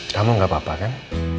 kamu gak apa apa kan